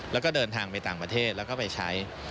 แล้วก็เดินทางไปต่างประเทศแล้วก็ไปใช้